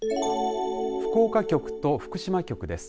福岡局と福島局です。